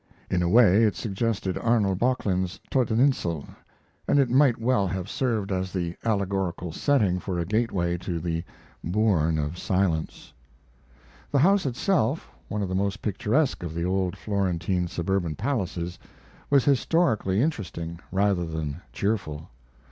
In a way it suggested Arnold Bocklin's "Todteninsel," and it might well have served as the allegorical setting for a gateway to the bourne of silence. The house itself, one of the most picturesque of the old Florentine suburban palaces, was historically interesting, rather than cheerful.